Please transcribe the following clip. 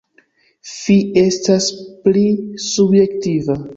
Fi estas pli subjektiva.